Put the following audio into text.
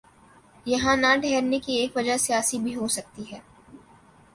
یہاں نہ ٹھہرنے کی ایک وجہ سیاسی بھی ہو سکتی ہے۔